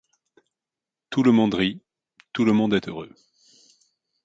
Tout le monde rit, tout le monde est heureux.